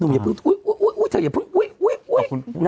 นุ่มอย่าพึ่งโอ้ยเธออย่าพึ่งเพื่อน